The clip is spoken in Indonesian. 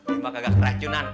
emang kagak keracunan